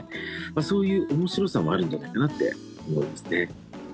そういう面白さもあるんじゃないかなと思いますね。